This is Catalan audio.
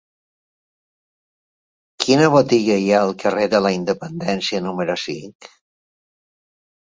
Quina botiga hi ha al carrer de la Independència número cinc?